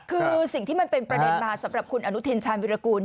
คือสิ่งที่มันเป็นประเด็นมาสำหรับคุณอนุทินชาญวิรากูล